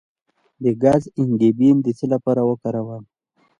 د ګز انګبین د څه لپاره وکاروم؟